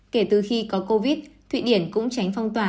kể từ khi có covid thụy điển cũng tránh phong tỏa